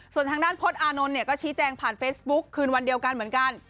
ส่วนทางด้านพจน์อานนท์เนี่ยก็ชี้แจงผ่านเฟซบุ๊คคืนวันเดียวกันเหมือนกัน